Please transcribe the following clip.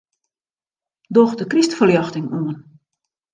Doch de krystferljochting oan.